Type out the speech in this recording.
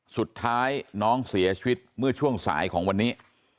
สุดท้ายน้องเสียชีวิตเมื่อช่วงสายของวันนี้